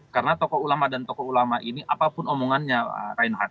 karena tokoh ulama dan tokoh ulama ini apapun omongannya reinhardt